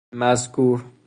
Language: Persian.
مذکور